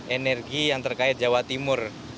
energi yang terkait jawa timur